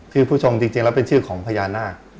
ชื่อภุชงจริงแล้วเป็นชื่อของพญานาค